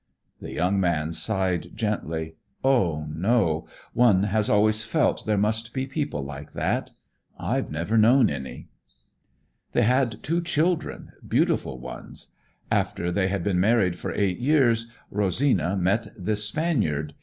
The young man sighed gently. "Oh, no! One has always felt there must be people like that. I've never known any." "They had two children, beautiful ones. After they had been married for eight years, Rosina met this Spaniard.